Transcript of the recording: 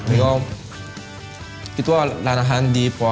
มันก็คิดว่าร้านอาหารดี